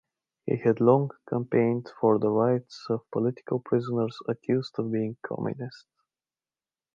He had long campaigned for the rights of political prisoners accused of being communists.